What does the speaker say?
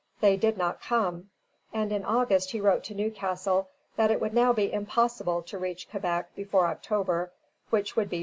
They did not come; and in August he wrote to Newcastle that it would now be impossible to reach Quebec before October, which would be too late.